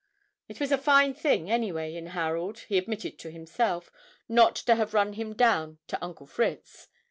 It was a fine thing anyway in Harold, he admitted to himself, not to have run him down to Uncle Fritz.